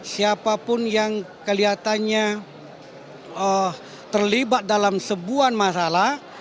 siapapun yang kelihatannya terlibat dalam sebuah masalah